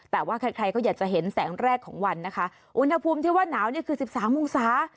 แต่ว่าใครใครก็อยากจะเห็นแสงแรกของวันนะคะอุณหภูมิที่ว่าหนาวเนี่ยคือสิบสามองศา